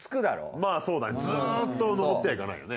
まあそうだねずっとは上ってはいかないよね。